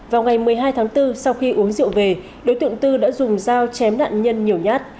vào ngày một mươi hai tháng bốn sau khi uống rượu về đối tượng tư đã dùng dao chém nạn nhân nhiều nhát